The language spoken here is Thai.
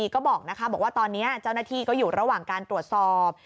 ก็บอกว่าตอนนี้เจ้าหน้าที่ก็อยู่ระหว่างการตรวจสอบ